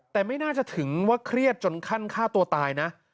แต่ไม่น่าจะถึงว่าเครียดจนขั้นฆ่าตัวตายนะ